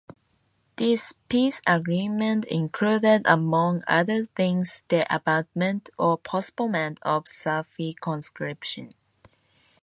This peace agreement included among other things the abandonment or postponement of Safi conscription.